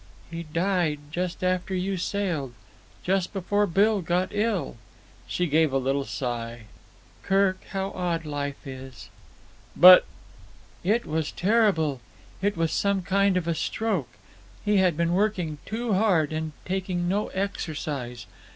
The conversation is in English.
"He died just after you sailed. Just before Bill got ill." She gave a little sigh. "Kirk, how odd life is!" "But——" "It was terrible. It was some kind of a stroke. He had been working too hard and taking no exercise.